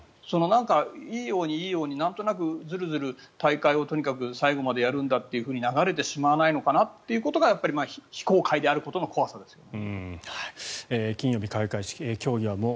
いいようにいいようになんとなくずるずる大会をとにかく最後までやるんだというふうに流れてしまわないのかなって非公開であることの怖さですね。